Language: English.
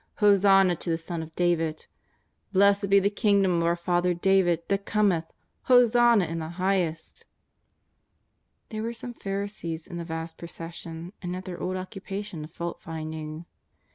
Ho sanna to the Son of David ! Blessed be the Kingdom of our father David that cometh, Hosanna in the highest V' There were some Pharisees in the vast procession, and at their old occupation of faultfinding.